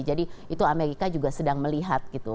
jadi itu amerika juga sedang melihat gitu